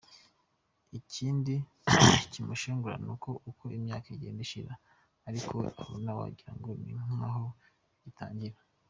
Ikindi kimushengura nuko uko imyaka igenda ishira ariko we abona wagirango ni nkaho bigitangira.